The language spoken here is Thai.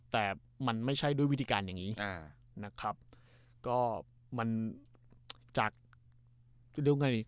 แต่มันไม่ใช่ด้วยวิธีการอย่างนี้นะครับก็มันจากเดียวกันนี้